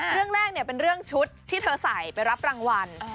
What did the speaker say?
เรื่องแรกเป็นเรื่องชุดที่เธอใส่ไปรับรางวัล